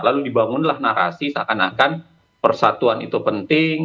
lalu dibangunlah narasi seakan akan persatuan itu penting